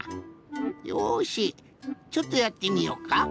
よしちょっとやってみようか。